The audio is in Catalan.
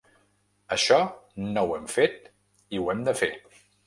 Això no ho hem fet i ho hem de fer.